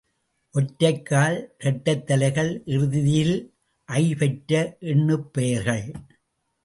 ஒற்றைக் கால், இரட்டைத் தலைகள் இறுதியில் ஐ பெற்ற எண்ணுப் பெயர்கள்.